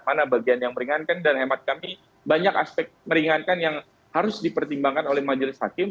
mana bagian yang meringankan dan hemat kami banyak aspek meringankan yang harus dipertimbangkan oleh majelis hakim